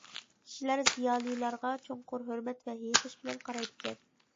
كىشىلەر زىيالىيلارغا چوڭقۇر ھۆرمەت ۋە ھېيىقىش بىلەن قارايدىكەن.